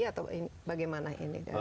atau bagaimana ini